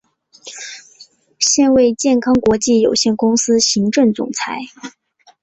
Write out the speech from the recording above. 现为健康国际有限公司行政总裁。